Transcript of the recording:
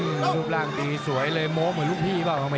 อื้อรูปร่างสวยเลยโม้เหมือนลูกพี่เองหรือน่ะ